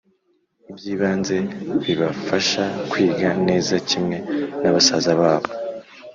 iby’ibanze bibafasha kwiga neza kimwe na basaza babo.